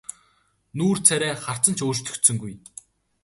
Нүүр царай харц нь ч өөрчлөгдсөнгүй.